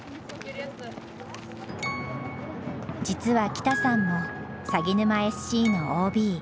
実は北さんもさぎぬまＳＣのＯＢ。